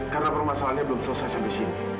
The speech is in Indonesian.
karena permasalahannya belum selesai sampai sini